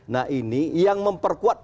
nah ini yang memperkuat